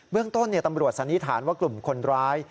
เรื่องต้นตำรวจสันนิษฐานว่ากลุ่มคนร้าย